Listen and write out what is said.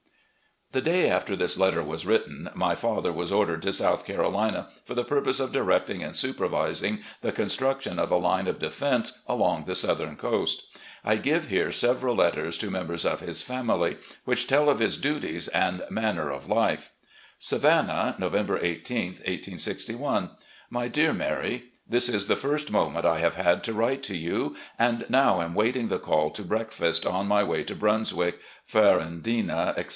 The day after this letter was written, my father was ordered to South Carolina for the purpose of directing and supervising the construction of a line of defense along the southern coast. I give here several letters to mem bers of his family which tell of his duties and manner of life: "Savannah, November i8, i86i. " My Dear Mary: This is the first moment I have had to write to you, and now am waiting the call to breakfast, on my way to Brunswick, Femandina, etc.